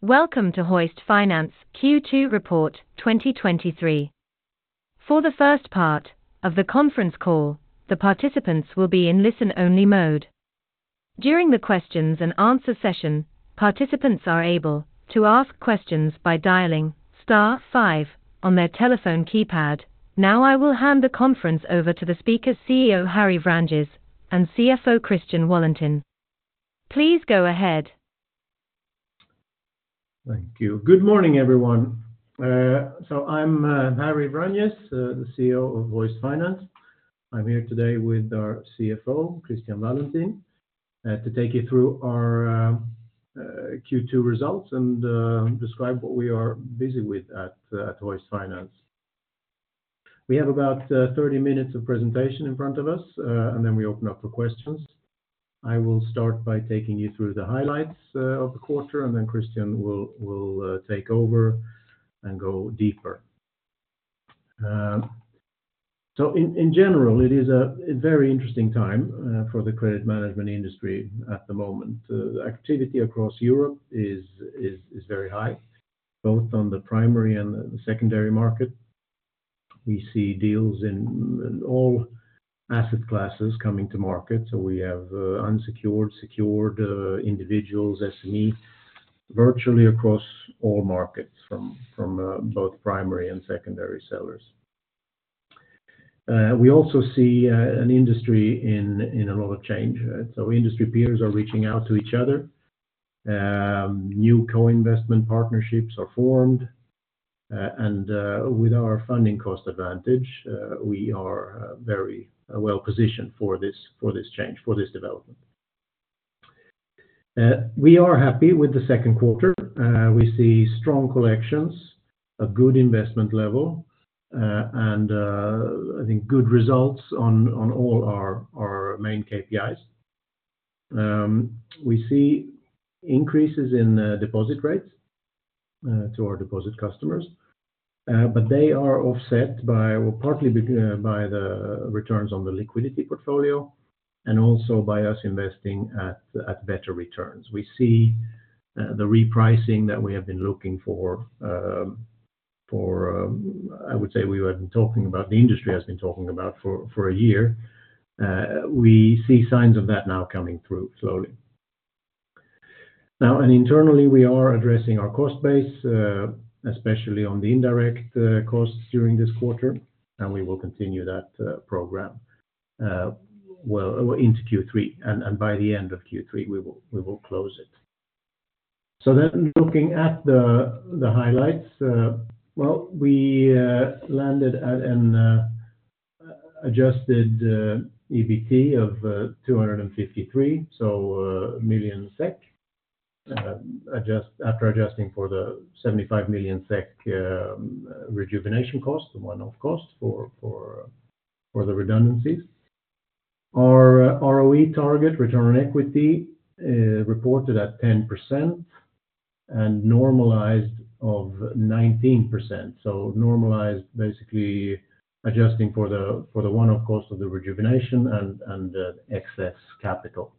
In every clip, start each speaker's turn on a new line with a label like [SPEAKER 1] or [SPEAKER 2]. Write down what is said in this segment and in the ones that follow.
[SPEAKER 1] Welcome to Hoist Finance Q2 Report 2023. For the first part of the conference call, the participants will be in listen-only mode. During the questions and answer session, participants are able to ask questions by dialing star five on their telephone keypad. Now, I will hand the conference over to the speakers, CEO Harry Vranjes and CFO Christian Wallentin. Please go ahead.
[SPEAKER 2] Thank you. Good morning, everyone. I'm Harry Vranjes, the CEO of Hoist Finance. I'm here today with our CFO, Christian Wallentin, to take you through our Q2 results, and describe what we are busy with at Hoist Finance. We have about 30 minutes of presentation in front of us, then we open up for questions. I will start by taking you through the highlights of the quarter, and then Christian will take over and go deeper. In general, it is a very interesting time for the credit management industry at the moment. The activity across Europe is very high, both on the primary and the secondary market. We see deals in, in all asset classes coming to market. We have unsecured, secured, individuals, SME, virtually across all markets from, from both primary and secondary sellers. We also see an industry in, in a lot of change, right? New gulf co-investment partnerships are formed, and with our funding cost advantage, we are very well positioned for this, for this change, for this development. We are happy with the second quarter. We see strong collections, a good investment level, and I think good results on, on all our, our main KPIs. We see increases in deposit rates to our deposit customers, but they are offset by... well, partly be- by the returns on the liquidity portfolio, and also by us investing at, at better returns. We see, uh, the repricing that we have been looking for, um, for, um, I would say we have been talking about, the industry has been talking about for, for a year. Uh, we see signs of that now coming through slowly. Now, and internally, we are addressing our cost base, uh, especially on the indirect, uh, costs during this quarter, and we will continue that, uh, program, uh, well, into Q3, and, and by the end of Q3, we will, we will close it. Looking at the highlights, well, we landed at an adjusted EBT of 253 million SEK after adjusting for the 75 million SEK rejuvenation cost, the one-off cost for the redundancies. Our ROE target, return on equity, reported at 10%, and normalized of 19%. Normalized, basically adjusting for the one-off cost of the Rejuvenation and the excess capital.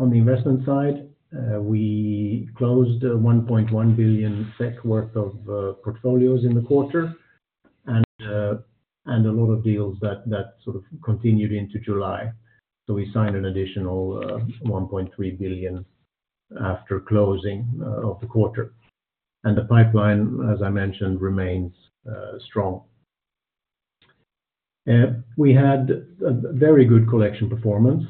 [SPEAKER 2] On the investment side, we closed 1.1 billion SEK worth of portfolios in the quarter, and a lot of deals that sort of continued into July. We signed an additional 1.3 billion after closing off the quarter. The pipeline, as I mentioned, remains strong. We had a very good collection performance.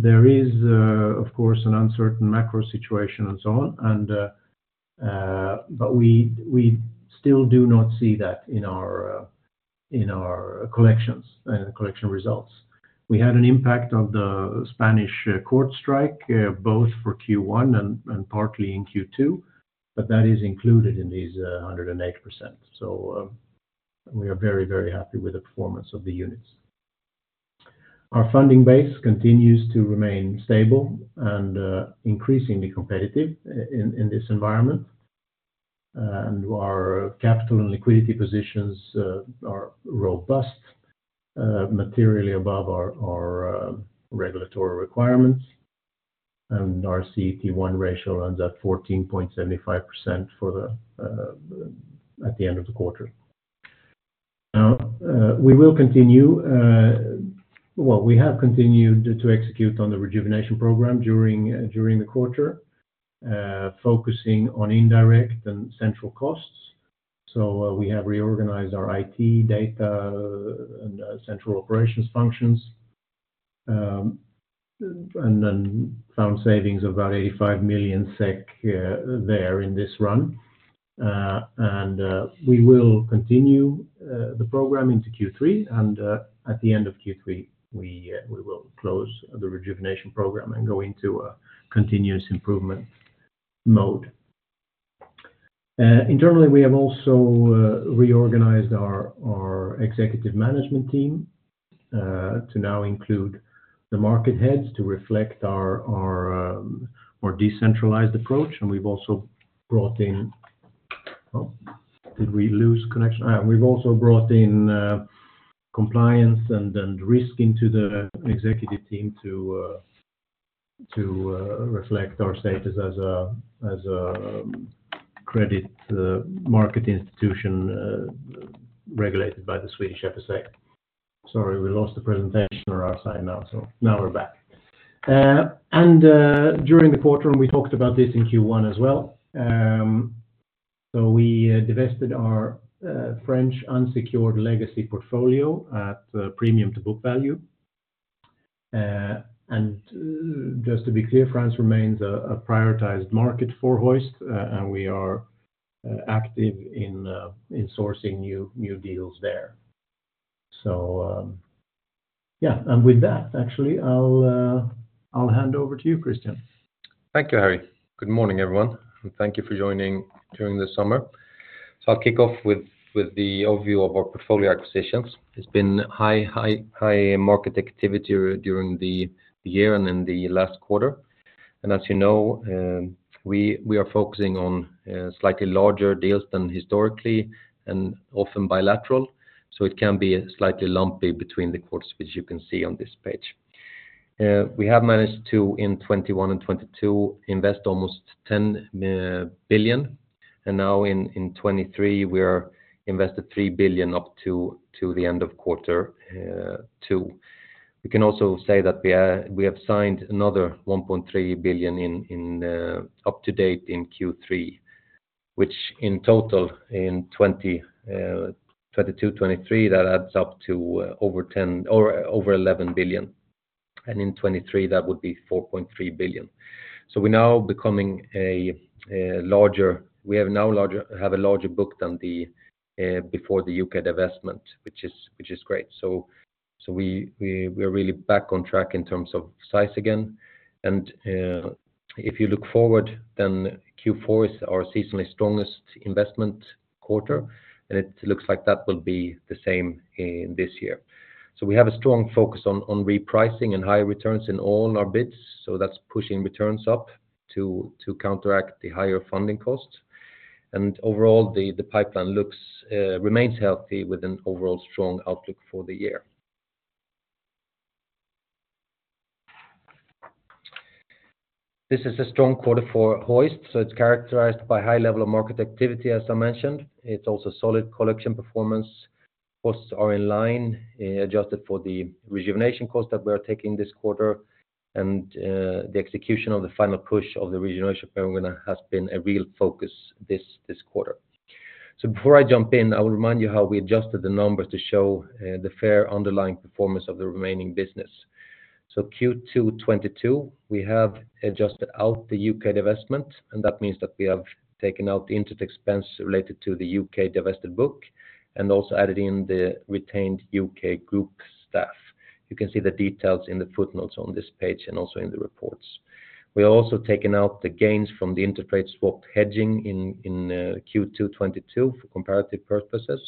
[SPEAKER 2] There is, of course, an uncertain macro situation and so on, and we still do not see that in our in our collections, collection results. We had an impact on the Spanish court strike, both for Q1 and partly in Q2, that is included in these 108%. We are very, very happy with the performance of the units. Our funding base continues to remain stable and increasingly competitive in this environment. Our capital and liquidity positions are robust, materially above our our regulatory requirements, and our CET1 ratio ends at 14.75% for the at the end of the quarter. We will continue... Well, we have continued to execute on the Rejuvenation program during the quarter, focusing on indirect and central costs. We have reorganized our IT, Data and Central Operations functions, and then found savings of about 85 million SEK there in this run. We will continue the program into Q3, and at the end of Q3, we will close the Rejuvenation program and go into a continuous improvement mode. Internally, we have also reorganized our executive management team to now include the market heads to reflect our more decentralized approach, and we've also brought in-... Oh, did we lose connection? We've also brought in compliance and risk into the executive team to reflect our status as a credit market institution, regulated by the Swedish FSA. Sorry, we lost the presentation or our slide now. Now we're back. During the quarter, and we talked about this in Q1 as well, we divested our French unsecured legacy portfolio at a premium to book value. And just to be clear, France remains a prioritized market for Hoist, and we are active in sourcing new deals there. Yeah, and with that, actually, I'll hand over to you, Christian.
[SPEAKER 3] Thank you, Harry. Good morning, everyone, and thank you for joining during the summer. I'll kick off with, with the overview of our portfolio acquisitions. It's been high, high, high market activity during the year and in the last quarter. As you know, we, we are focusing on slightly larger deals than historically and often bilateral, so it can be slightly lumpy between the quarters, which you can see on this page. We have managed to, in 2021 and 2022, invest almost 10 billion, and now in 2023, we are invested 3 billion up to the end of Q2. We can also say that we have signed another 1.3 billion up to date in Q3, which in total in 2022, 2023, that adds up to over 10 billion, or over 11 billion. In 2023, that would be 4.3 billion. We're now becoming we have now larger, have a larger book than the before the UK divestment, which is, which is great. We're really back on track in terms of size again. If you look forward, then Q4 is our seasonally strongest investment quarter, and it looks like that will be the same in this year. We have a strong focus on, on repricing and high returns in all our bids, so that's pushing returns up to, to counteract the higher funding costs. Overall, the pipeline looks remains healthy with an overall strong outlook for the year. This is a strong quarter for Hoist, so it's characterized by high level of market activity, as I mentioned. It's also solid collection performance. Costs are in line, adjusted for the rejuvenation costs that we are taking this quarter, and the execution of the final push of the Rejuvenation program has been a real focus this, this quarter. Before I jump in, I will remind you how we adjusted the numbers to show the fair underlying performance of the remaining business. Q2 2022, we have adjusted out the U.K. divestment, and that means that we have taken out the interest expense related to the U.K. divested book, and also added in the retained UK Group staff. You can see the details in the footnotes on this page and also in the reports. We have also taken out the gains from the interest rate swap hedging in Q2 2022 for comparative purposes,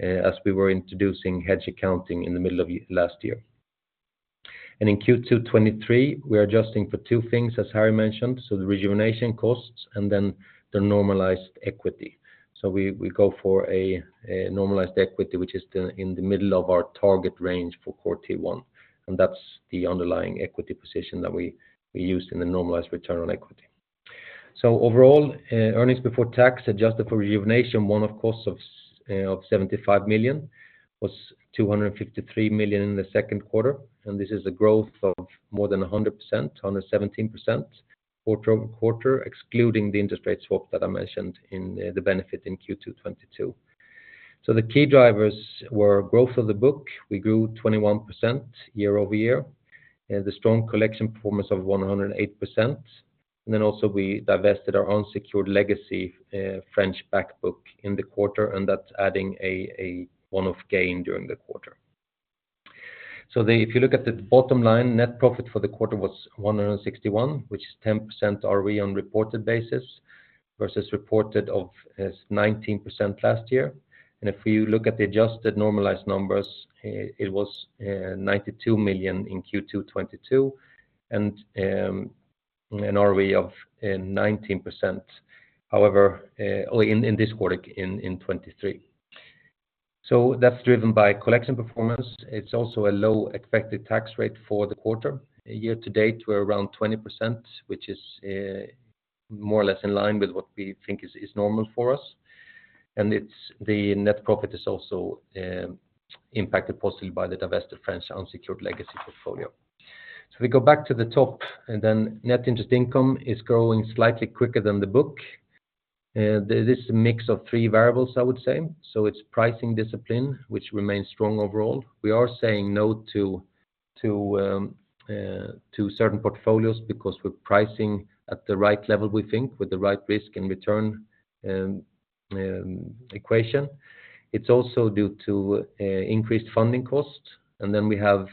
[SPEAKER 3] as we were introducing hedge accounting in the middle of last year. In Q2 2023, we are adjusting for two things, as Harry mentioned, so the rejuvenation costs and then the normalised equity. We, we go for a normalised equity, which is the, in the middle of our target range for CET1, and that's the underlying equity position that we, we used in the normalised return on equity. Overall, earnings before tax, adjusted for rejuvenation one-off costs of 75 million, was 253 million in the second quarter, and this is a growth of more than 100%, 117%, quarter-over-quarter, excluding the interest rate swap that I mentioned in the benefit in Q2 2022. The key drivers were growth of the book. We grew 21% year-over-year, the strong collection performance of 108%. We also divested our own secured legacy French back book in the quarter, and that's adding a one-off gain during the quarter. If you look at the bottom line, net profit for the quarter was 161, which is 10% ROE on reported basis, versus reported of 19% last year. If you look at the adjusted normalized numbers, it was 92 million in Q2 2022, an ROE of 19%. However, only in this quarter, in 2023. That's driven by collection performance. It's also a low effective tax rate for the quarter. Year-to-date, we're around 20%, which is more or less in line with what we think is normal for us. It's the net profit is also impacted positively by the divested French unsecured legacy portfolio. We go back to the top. Net interest income is growing slightly quicker than the book. This is a mix of three variables, I would say. It's pricing discipline, which remains strong overall. We are saying no to, to certain portfolios because we're pricing at the right level, we think, with the right risk and return equation. It's also due to increased funding costs, and then we have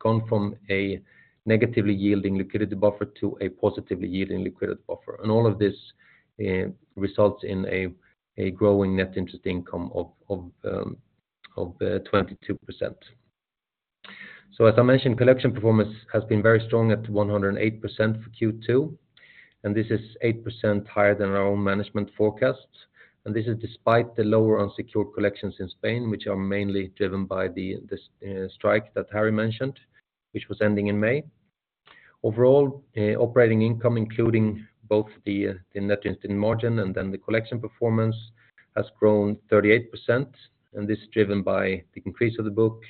[SPEAKER 3] gone from a negatively yielding liquidity buffer to a positively yielding liquidity buffer. All of this results in a growing net interest income of 22%. As I mentioned, collection performance has been very strong at 108% for Q2, and this is 8% higher than our own management forecasts. This is despite the lower unsecured collections in Spain, which are mainly driven by the strike that Harry mentioned, which was ending in May. Overall, operating income, including both the net interest in margin and then the collection performance, has grown 38%, and this is driven by the increase of the book,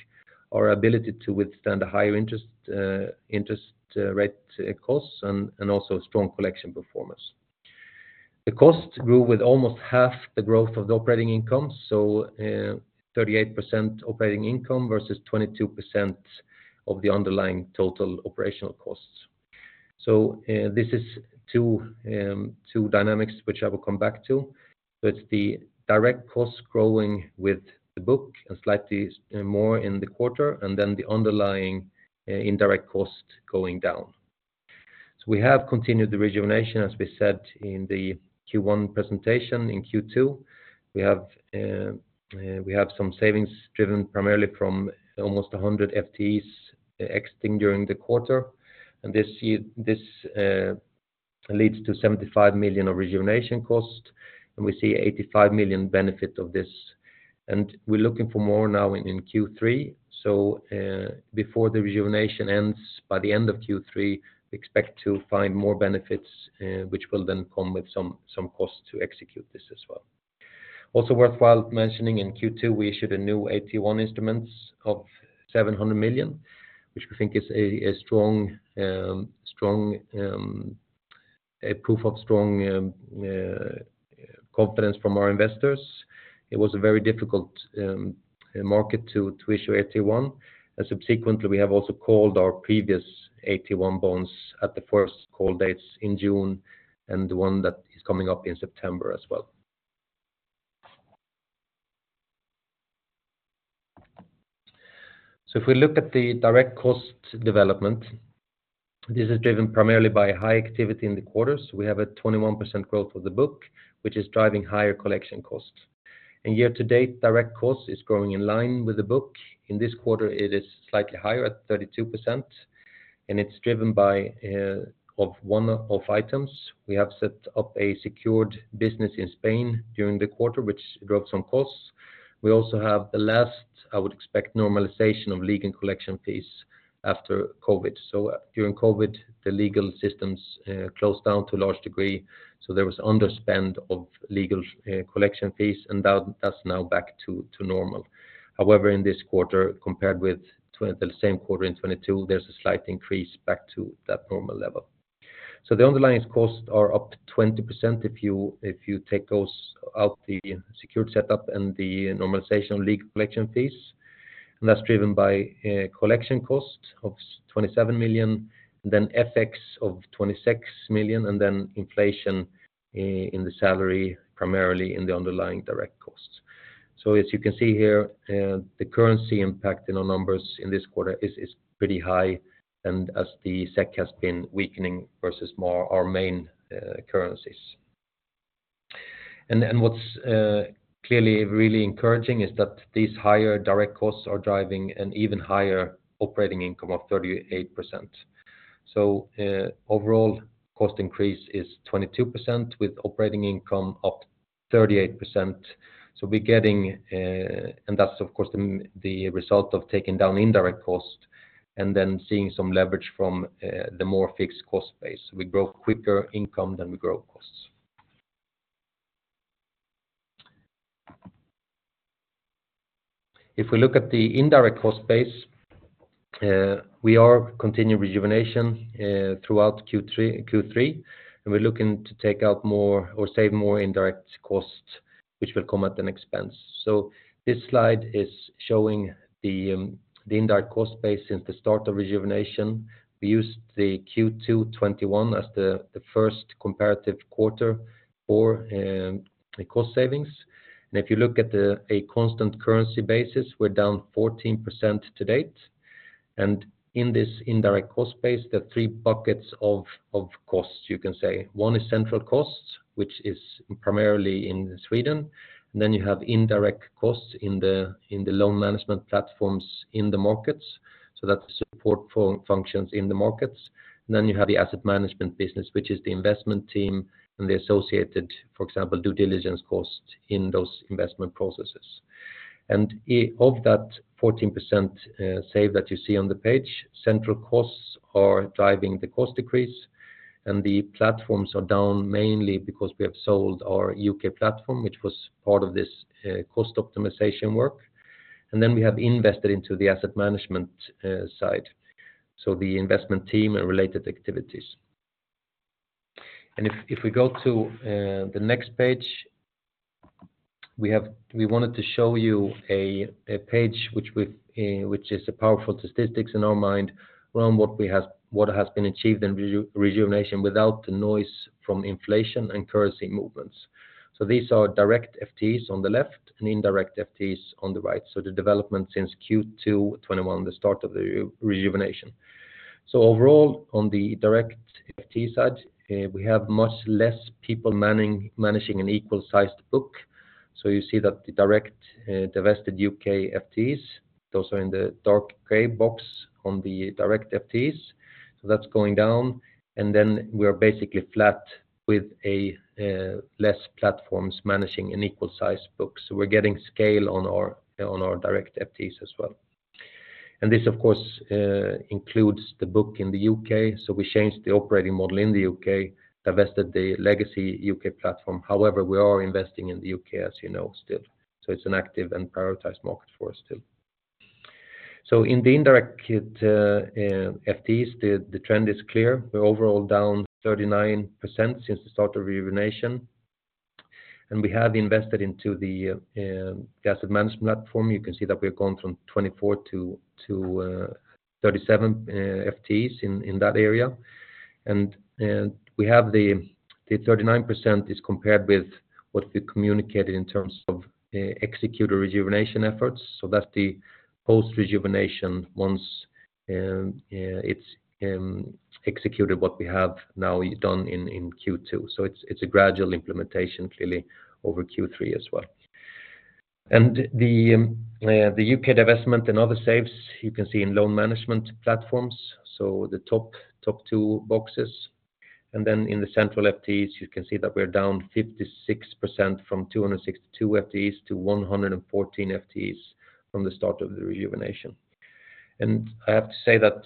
[SPEAKER 3] our ability to withstand a higher interest rate costs, and also strong collection performance. The cost grew with almost half the growth of the operating income, 38% operating income versus 22% of the underlying total operational costs. This is two dynamics, which I will come back to. The direct costs growing with the book and slightly more in the quarter, and then the underlying indirect cost going down. We have continued the Rejuvenation, as we said in the Q1 presentation in Q2. We have some savings driven primarily from almost 100 FTEs exiting during the quarter, this leads to 75 million of rejuvenation cost, and we see 85 million benefit of this, and we're looking for more now in Q3. Before the Rejuvenation ends by the end of Q3, we expect to find more benefits, which will then come with some, some costs to execute this as well. Also worthwhile mentioning, in Q2, we issued a new AT1 instruments of 700 million, which we think is a strong, strong, a proof of strong confidence from our investors. It was a very difficult market to, to issue AT1, and subsequently, we have also called our previous AT1 bonds at the first call dates in June and the one that is coming up in September as well. If we look at the direct cost development, this is driven primarily by high activity in the quarters. We have a 21% growth of the book, which is driving higher collection costs. Year to date, direct costs is growing in line with the book. In this quarter, it is slightly higher at 32%, and it's driven by one-off items. We have set up a secured business in Spain during the quarter, which drove some costs. We also have the last, I would expect, normalization of legal collection fees after COVID. During COVID, the legal systems closed down to a large degree, so there was underspend of legal collection fees, and that's now back to normal. However, in this quarter, compared with the same quarter in 2022, there's a slight increase back to that normal level. The underlying costs are up 20% if you take those out, the secured setup and the normalization of legal collection fees. That's driven by collection costs of 27 million, then FX of 26 million, and then inflation, in the salary, primarily in the underlying direct costs. As you can see here, the currency impact in our numbers in this quarter is pretty high, and as the SEK has been weakening versus more our main currencies. What's clearly really encouraging is that these higher direct costs are driving an even higher operating income of 38%. Overall cost increase is 22%, with operating income up 38%. We're getting, and that's of course, the result of taking down indirect costs and then seeing some leverage from the more fixed cost base. We grow quicker income than we grow costs. If we look at the indirect cost base, we are continuing Rejuvenation throughout Q3, Q3, and we're looking to take out more or save more indirect costs, which will come at an expense. This slide is showing the indirect cost base since the start of Rejuvenation. We used the Q2 2021 as the first comparative quarter for the cost savings. If you look at the, a constant currency basis, we're down 14% to date. In this indirect cost base, there are three buckets of, of costs, you can say. One is central costs, which is primarily in Sweden, and then you have indirect costs in the loan management platforms in the markets. That's support functions in the markets. You have the asset management business, which is the investment team and the associated, for example, due diligence costs in those investment processes. Of that 14%, save that you see on the page, central costs are driving the cost decrease, and the platforms are down mainly because we have sold our UK platform, which was part of this cost optimization work. Then we have invested into the asset management side, so the investment team and related activities. If, if we go to the next page, we wanted to show you a page which we've, which is a powerful statistics in our mind on what we have, what has been achieved in Rejuvenation without the noise from inflation and currency movements. These are direct FTEs on the left and indirect FTEs on the right, so the development since Q2 2021, the start of the Rejuvenation. Overall, on the direct FT side, we have much less people manning, managing an equal-sized book. You see that the direct, divested UK FTS, those are in the dark gray box on the direct FTS. That's going down, and then we are basically flat with a, less platforms managing an equal-sized book. We're getting scale on our, on our direct FTS as well. This, of course, includes the book in the U.K., so we changed the operating model in the U.K., divested the legacy UK platform. However, we are investing in the U.K., as you know, still, so it's an active and prioritized market for us too. In the indirect FTEs, the trend is clear. We're overall down 39% since the start of Rejuvenation, and we have invested into the asset management platform. You can see that we've gone from 24-37 FTEs in that area. We have the 39% is compared with what we communicated in terms of executor Rejuvenation efforts. That's the post-Rejuvenation once it's executed what we have now done in Q2. It's a gradual implementation, clearly, over Q3 as well. The UK divestment and other saves, you can see in loan management platforms, so the top, top two boxes. Then in the central FTEs, you can see that we're down 56% from 262 FTEs to 114 FTEs from the start of the Rejuvenation. I have to say that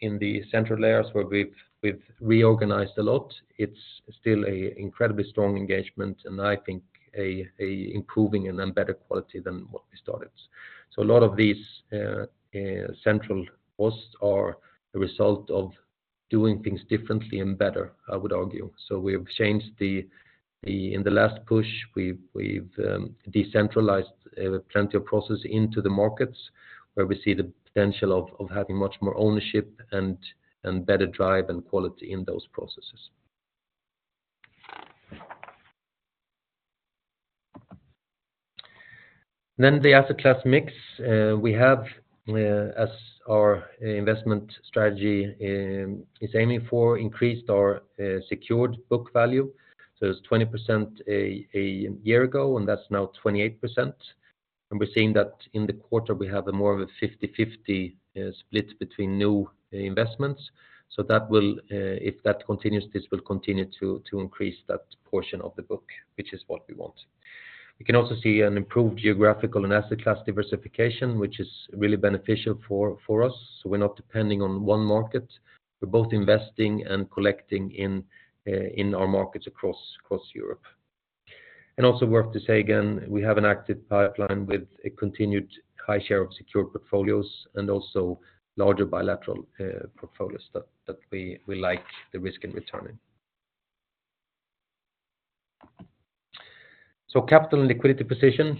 [SPEAKER 3] in the central layers, where we've, we've reorganized a lot, it's still a incredibly strong engagement and I think a, a improving and then better quality than what we started. A lot of these central posts are a result of doing things differently and better, I would argue. We have changed the, the, in the last push, we've, we've decentralized plenty of process into the markets, where we see the potential of, of having much more ownership and, and better drive and quality in those processes. The asset class mix, we have as our investment strategy, is aiming for increased our secured book value. It's 20% a year ago, and that's now 28%. We're seeing that in the quarter, we have a more of a 50/50 split between new investments. That will, if that continues, this will continue to increase that portion of the book, which is what we want. We can also see an improved geographical and asset class diversification, which is really beneficial for us. We're not depending on one market. We're both investing and collecting in our markets across Europe. Also worth to say again, we have an active pipeline with a continued high share of secured portfolios and also larger bilateral portfolios that we like the risk in returning. Capital and liquidity position.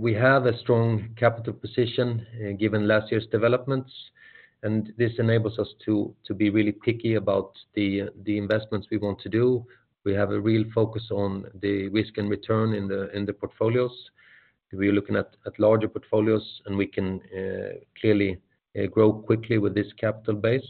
[SPEAKER 3] We have a strong capital position, given last year's developments, and this enables us to be really picky about the investments we want to do. We have a real focus on the risk and return in the portfolios. We're looking at larger portfolios, and we can clearly grow quickly with this capital base.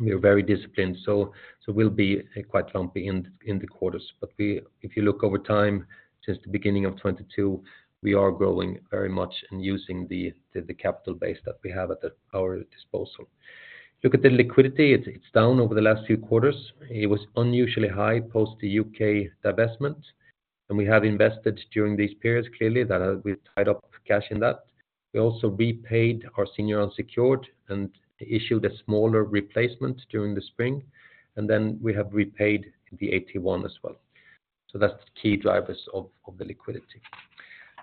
[SPEAKER 3] We are very disciplined, so we'll be quite lumpy in the quarters. If you look over time, since the beginning of 2022, we are growing very much and using the capital base that we have at our disposal. Look at the liquidity, it's down over the last few quarters. It was unusually high post the UK divestment, and we have invested during these periods, clearly, that we've tied up cash in that. We also repaid our senior unsecured and issued a smaller replacement during the spring. We have repaid the AT one as well. That's key drivers of the liquidity.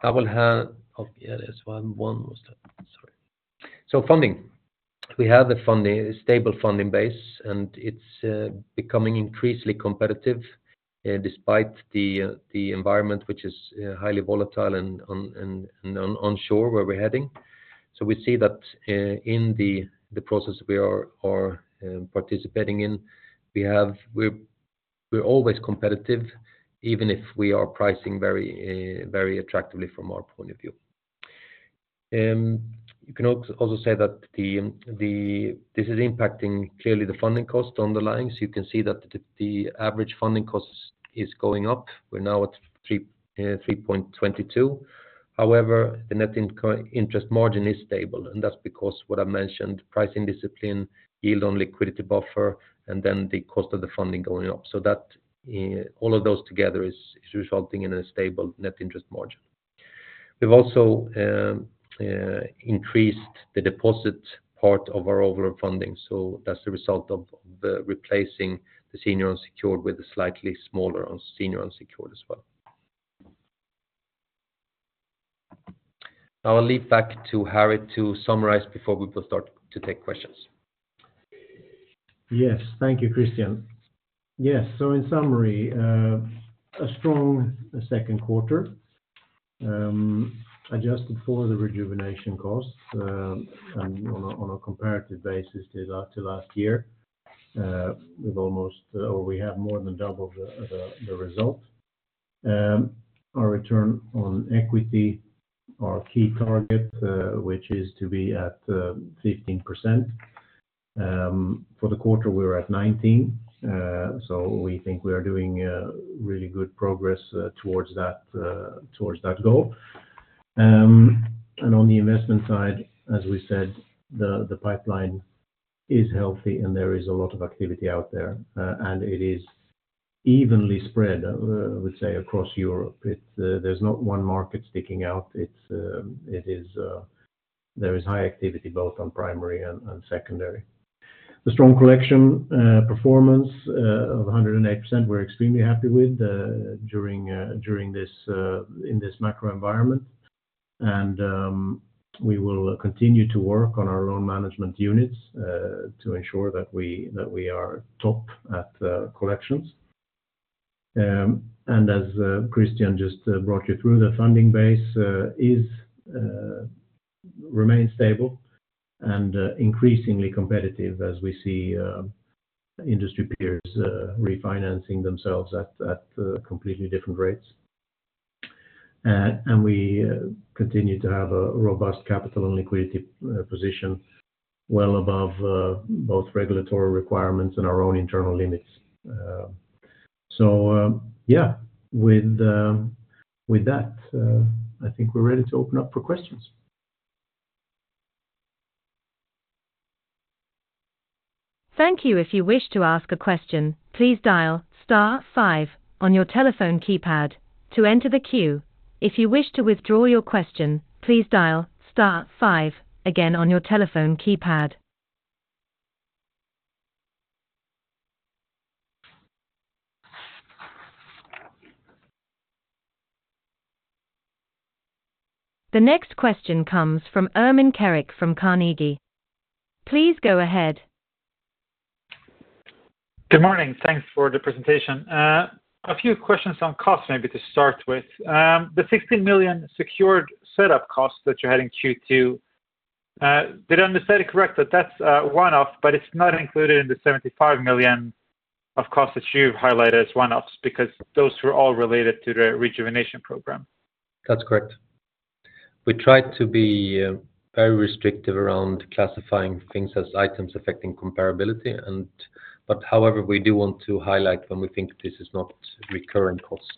[SPEAKER 3] I will have, oh, yeah, there's one was that, sorry. Funding. We have the funding, stable funding base, and it's becoming increasingly competitive despite the environment, which is highly volatile and unsure where we're heading. We see that in the process we are participating in, we're always competitive, even if we are pricing very attractively from our point of view. You can also say that this is impacting clearly the funding cost on the lines. You can see that the average funding costs is going up. We're now at 3.22%. However, the net income interest margin is stable, and that's because what I mentioned, pricing discipline, yield on liquidity buffer, and then the cost of the funding going up. That, all of those together is, is resulting in a stable net interest margin. We've also, increased the deposit part of our overall funding, that's the result of the replacing the senior unsecured with a slightly smaller on senior unsecured as well. I will lead back to Harry to summarize before we will start to take questions.
[SPEAKER 2] Yes. Thank you, Christian. Yes, so in summary, a strong second quarter, adjusted for the rejuvenation costs, and on a comparative basis to last year, we've almost, or we have more than doubled the result. Our return on equity, our key target, which is to be at 15%. For the quarter, we were at 19%, so we think we are doing really good progress towards that towards that goal. And on the investment side, as we said, the pipeline is healthy and there is a lot of activity out there, and it is evenly spread, I would say, across Europe. There's not one market sticking out. It's, it is, there is high activity both on primary and secondary. The strong collection performance of 108%, we're extremely happy with during this in this macro environment. We will continue to work on our loan management units to ensure that we, that we are top at collections. As Christian just brought you through, the funding base remains stable and increasingly competitive as we see industry peers refinancing themselves at completely different rates. We continue to have a robust capital and liquidity position well above both regulatory requirements and our own internal limits. With that, I think we're ready to open up for questions.
[SPEAKER 1] Thank you. If you wish to ask a question, please dial star five on your telephone keypad to enter the queue. If you wish to withdraw your question, please dial star five again on your telephone keypad. The next question comes from Ermin Keric from Carnegie. Please go ahead.
[SPEAKER 4] Good morning. Thanks for the presentation. A few questions on cost, maybe to start with. The 16 million secured setup costs that you had in Q2, did I understand it correct, that that's a one-off, but it's not included in the 75 million of costs that you've highlighted as one-offs, because those were all related to the Rejuvenation program?
[SPEAKER 3] That's correct. We tried to be very restrictive around classifying things as items affecting comparability. However, we do want to highlight when we think this is not recurrent cost,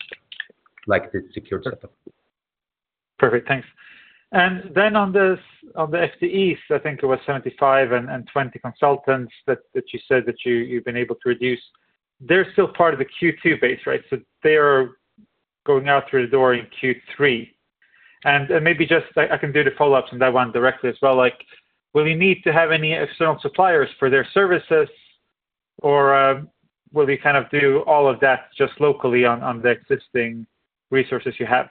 [SPEAKER 3] like the secured setup.
[SPEAKER 4] Perfect, thanks. On the FTEs, I think it was 75 and 20 consultants that you said that you've been able to reduce. They're still part of the Q2 base, right? They are going out through the door in Q3. Maybe just, I can do the follow-ups on that one directly as well. Like, will we need to have any external suppliers for their services, or will we kind of do all of that just locally on, on the existing resources you have?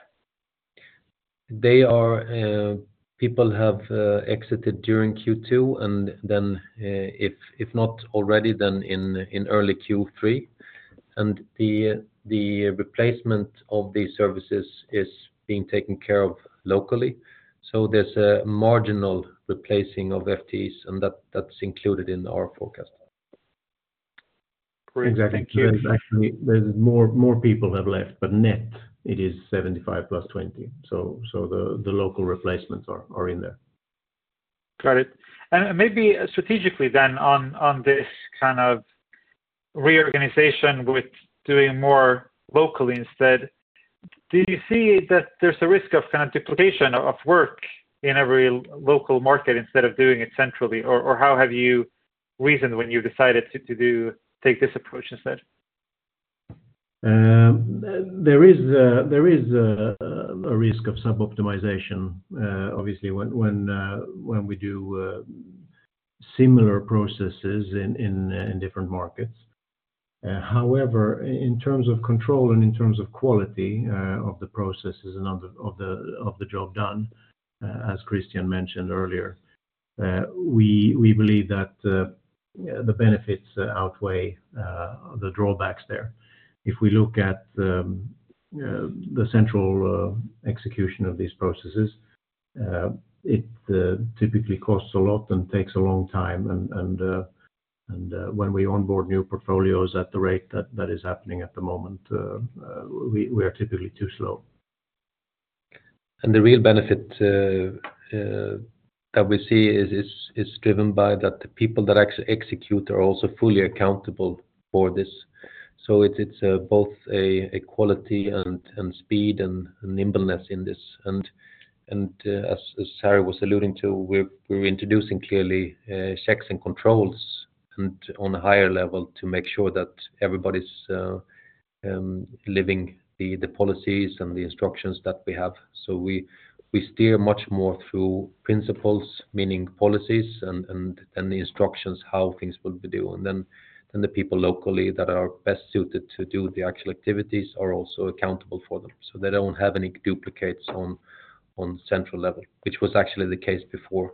[SPEAKER 3] They are, people have, exited during Q2, and then, if not already, then in, in early Q3. The, the replacement of these services is being taken care of locally. There's a marginal replacing of FTEs, and that's included in our forecast.
[SPEAKER 4] Great. Thank you.
[SPEAKER 2] Exactly. Actually, there's more, more people have left, but net, it is 75 plus20, so the local replacements are in there.
[SPEAKER 4] Got it. Maybe strategically then on, on this kind of reorganization with doing more locally instead, do you see that there's a risk of kind of duplication of work in every local market instead of doing it centrally? Or how have you reasoned when you decided to take this approach instead?
[SPEAKER 2] There is a, there is a, a risk of suboptimization, obviously, when, when, when we do similar processes in, in, in different markets. However, in terms of control and in terms of quality, of the processes and of the, of the, of the job done, as Christian mentioned earlier, we, we believe that the benefits outweigh the drawbacks there. If we look at the, the central, execution of these processes, it, typically costs a lot and takes a long time, and, and, and, when we onboard new portfolios at the rate that that is happening at the moment, we, we are typically too slow.
[SPEAKER 3] The real benefit that we see is, is, is driven by that the people that execute are also fully accountable for this. It's, it's both a, a quality and, and speed, and nimbleness in this. As, as Harry was alluding to, we're, we're introducing clearly checks and controls and on a higher level to make sure that everybody's living the policies and the instructions that we have. We, we steer much more through principles, meaning policies and, and, and the instructions, how things will be doing. Then the people locally that are best suited to do the actual activities are also accountable for them. They don't have any duplicates on, on central level, which was actually the case before.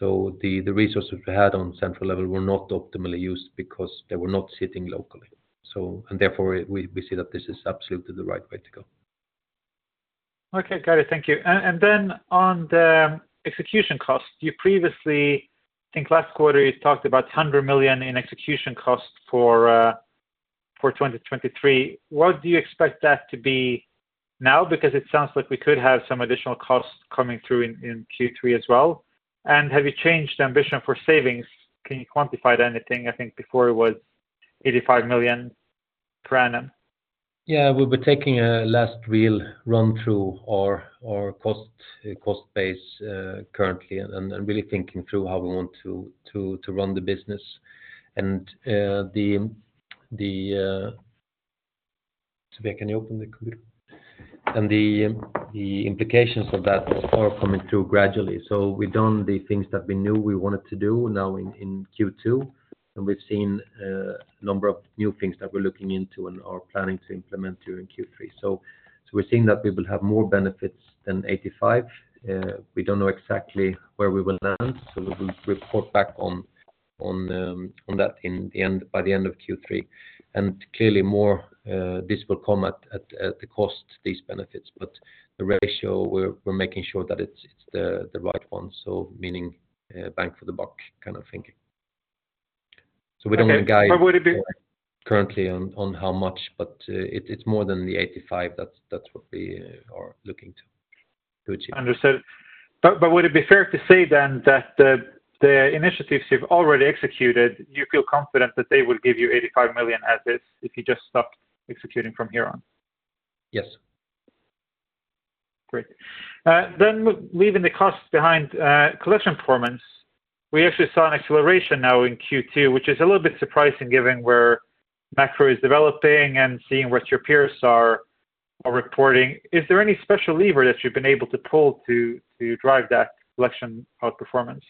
[SPEAKER 3] The resources we had on central level were not optimally used because they were not sitting locally. Therefore, we see that this is absolutely the right way to go.
[SPEAKER 4] Okay, got it. Thank you. Then on the execution cost, you previously, I think last quarter, you talked about 100 million in execution cost for 2023. What do you expect that to be now? Because it sounds like we could have some additional costs coming through in, in Q3 as well. Have you changed the ambition for savings? Can you quantify anything? I think before it was 85 million per annum.
[SPEAKER 3] Yeah, we'll be taking a last real run through our, our cost, cost base, currently, and, and really thinking through how we want to run the business. The, the... Svea, can you open the computer? The, the implications of that are coming through gradually. We've done the things that we knew we wanted to do now in, in Q2, and we've seen a, a number of new things that we're looking into and are planning to implement during Q3. We're seeing that we will have more benefits than 85 million. We don't know exactly where we will land, so we'll report back on, on that in the end, by the end of Q3. Clearly more, this will come at the cost, these benefits, but the ratio, we're, we're making sure that it's, it's the right one. Meaning, bang for the buck kind of thinking. We don't want to guide-
[SPEAKER 4] But would it be-
[SPEAKER 3] Currently on, on how much, but, it, it's more than the 85. That's, that's what we are looking to, to achieve.
[SPEAKER 4] Understood. But would it be fair to say then that the, the initiatives you've already executed, you feel confident that they will give you 85 million as is, if you just stop executing from here on?
[SPEAKER 3] Yes.
[SPEAKER 4] Great. Leaving the cost behind, collection performance, we actually saw an acceleration now in Q2, which is a little bit surprising given where macro is developing and seeing what your peers are reporting. Is there any special lever that you've been able to pull to drive that collection outperformance?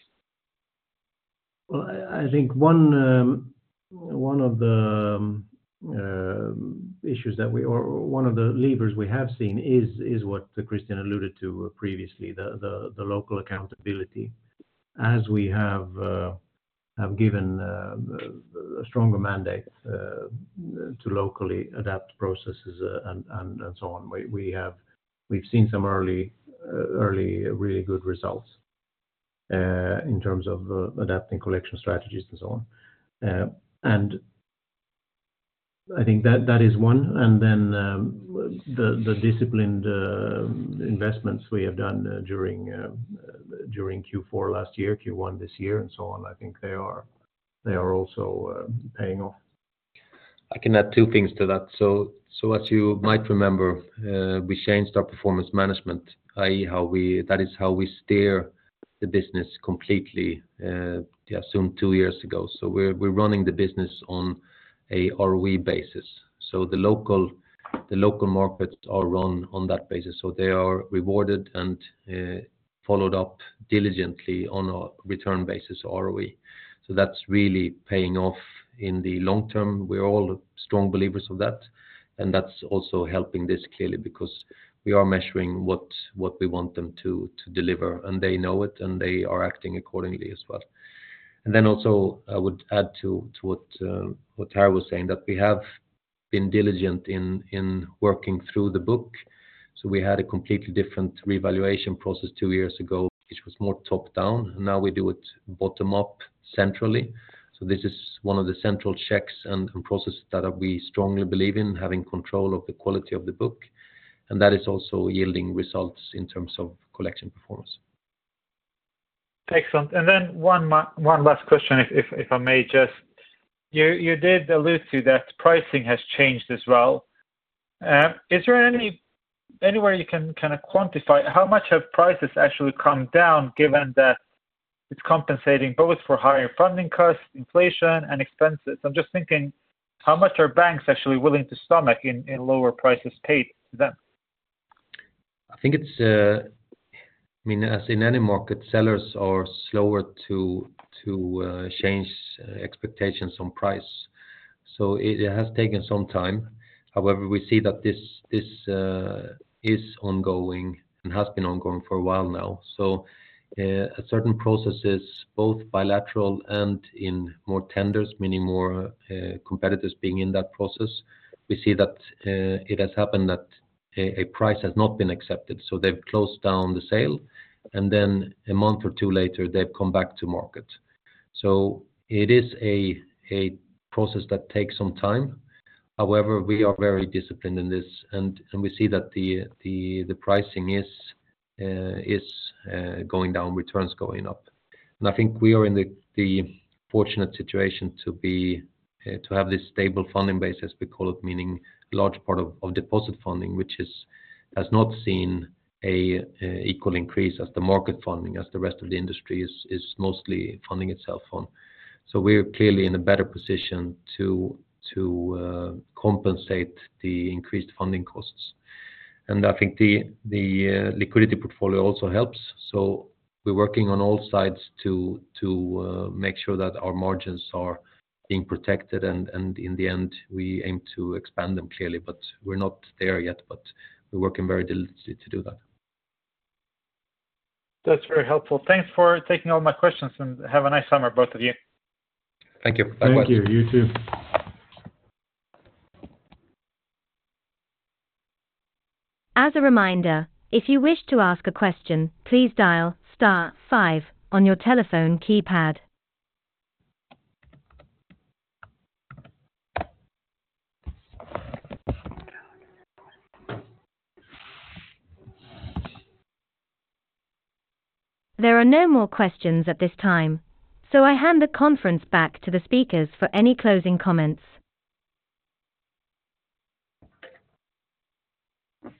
[SPEAKER 2] Well, I, I think one of the issues that we. Or, one of the levers we have seen is what Christian alluded to previously, the local accountability. As we have given a stronger mandate to locally adapt processes and so on, we've seen some early really good results in terms of adapting collection strategies and so on. I think that, that is one, and then the disciplined investments we have done during Q4 last year, Q1 this year, and so on, I think they are also paying off.
[SPEAKER 3] I can add two things to that. As you might remember, we changed our performance management, i.e., that is how we steer the business completely, some two years ago. We're running the business on a ROE basis. The local markets are run on that basis, so they are rewarded and followed up diligently on a return basis, ROE. That's really paying off in the long term. We're all strong believers of that, and that's also helping this clearly because we are measuring what we want them to deliver, and they know it, and they are acting accordingly as well. Then also, I would add to what Harry was saying, that we have been diligent in working through the book. We had a completely different revaluation process two years ago, which was more top-down, and now we do it bottom-up, centrally. This is one of the central checks and processes that we strongly believe in, having control of the quality of the book, and that is also yielding results in terms of collection performance.
[SPEAKER 4] Excellent. Then one last question, if I may just. You, you did allude to that pricing has changed as well. Is there any, anywhere you can kinda quantify? How much have prices actually come down, given that it's compensating both for higher funding costs, inflation, and expenses? I'm just thinking, how much are banks actually willing to stomach in, in lower prices paid to them?
[SPEAKER 3] I think it's, I mean, as in any market, sellers are slower to, to change expectations on price. It has taken some time. However, we see that this, this is ongoing and has been ongoing for a while now. Certain processes, both bilateral and in more tenders, meaning more competitors being in that process, we see that it has happened that a price has not been accepted, so they've closed down the sale, and then a month or two later, they've come back to market. It is a process that takes some time. However, we are very disciplined in this, and we see that the pricing is going down, returns going up. I think we are in the, the fortunate situation to be to have this stable funding base, as we call it, meaning large part of, of deposit funding, which has not seen a equal increase as the market funding, as the rest of the industry is, is mostly funding itself on. We're clearly in a better position to compensate the increased funding costs. I think the, the liquidity portfolio also helps. We're working on all sides to, to make sure that our margins are being protected, and, and in the end, we aim to expand them clearly, but we're not there yet, but we're working very diligently to do that.
[SPEAKER 4] That's very helpful. Thanks for taking all my questions, and have a nice summer, both of you.
[SPEAKER 3] Thank you. Bye-bye.
[SPEAKER 2] Thank you. You too.
[SPEAKER 1] As a reminder, if you wish to ask a question, please dial star five on your telephone keypad. There are no more questions at this time. I hand the conference back to the speakers for any closing comments.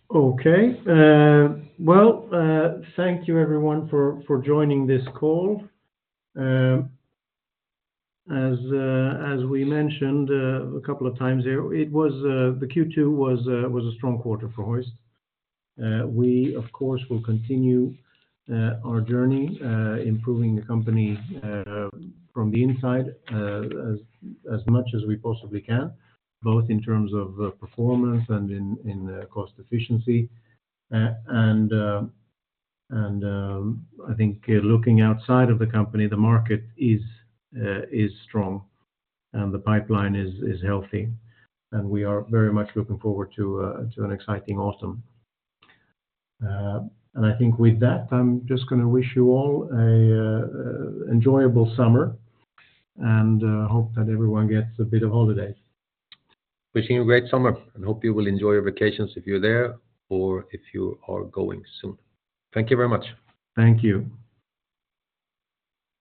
[SPEAKER 2] Okay, well, thank you everyone for, for joining this call. As, as we mentioned a couple of times here, it was the Q2 was a strong quarter for Hoist. We, of course, will continue our journey improving the company from the inside as much as we possibly can, both in terms of performance and in cost efficiency. I think looking outside of the company, the market is strong and the pipeline is healthy, and we are very much looking forward to an exciting autumn. I think with that, I'm just gonna wish you all a enjoyable summer, and hope that everyone gets a bit of holidays.
[SPEAKER 3] Wishing you a great summer, hope you will enjoy your vacations if you're there or if you are going soon. Thank you very much.
[SPEAKER 2] Thank you.